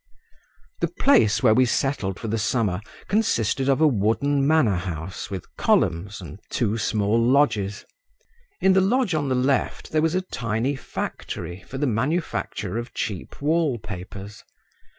The place, where we settled for the summer, consisted of a wooden manor house with columns and two small lodges; in the lodge on the left there was a tiny factory for the manufacture of cheap wall papers….